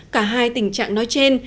cả hai tình trạng nói trên